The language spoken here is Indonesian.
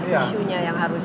isunya yang harus di